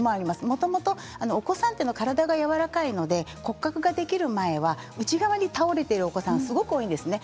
もともとお子さんって体がやわらかいので骨格ができる前は内側に倒れているお子さんはすごく多いですね。